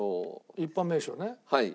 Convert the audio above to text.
一般名称ね。